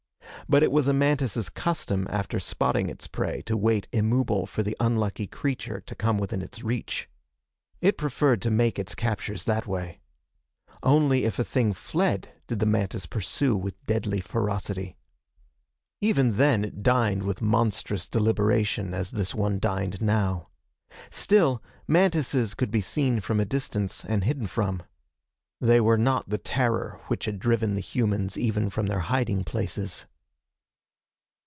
But it was a mantis' custom after spotting its prey to wait immobile for the unlucky creature to come within its reach. It preferred to make its captures that way. Only if a thing fled did the mantis pursue with deadly ferocity. Even then it dined with monstrous deliberation as this one dined now. Still, mantises could be seen from a distance and hidden from. They were not the terror which had driven the humans even from their hiding places.